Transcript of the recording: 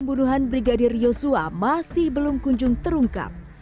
pembunuhan brigadir yosua masih belum kunjung terungkap